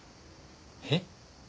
えっ？